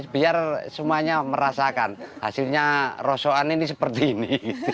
biar semuanya merasakan hasilnya rosokan ini seperti ini